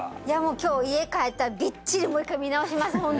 いやもう今日家帰ったらびっちりもう一回見直します